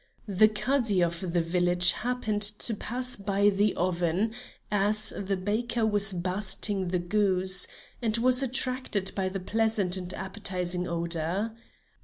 The Cadi of the village happened to pass by the oven as the baker was basting the goose, and was attracted by the pleasant and appetizing odor.